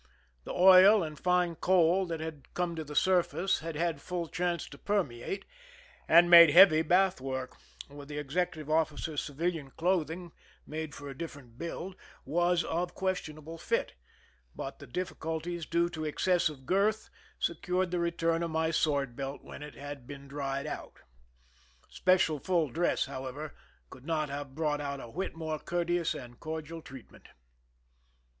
The oil and fine coal that had come to the surface had had full chance to permeate, and made heavy bath work, while the executive officer's civilian clothing, made for a different build, was of questionable fit. But the difficulties due to excess of girth secured the return of my sword belt when it had been dried out. Special full dress, however, could not have brought out a whit more courteous and cordial treatment.